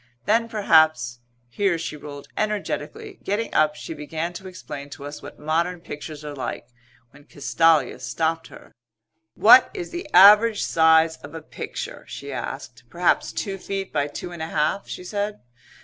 Then perhaps " here she rolled energetically. Getting up she began to explain to us what modern pictures are like when Castalia stopped her. "What is the average size of a picture?" she asked. "Perhaps two feet by two and a half," she said.